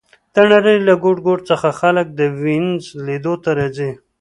د نړۍ له ګوټ ګوټ څخه خلک د وینز لیدو ته راځي